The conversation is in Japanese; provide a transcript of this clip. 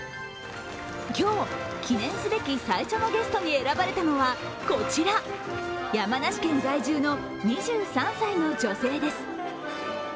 今日、記念すべき最初のゲストに選ばれたのはこちら、山梨県在住の２３歳の女性です。